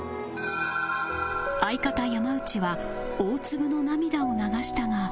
相方山内は大粒の涙を流したが